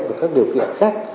và các điều kiện khác